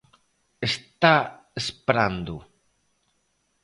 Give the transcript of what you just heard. Está esperando.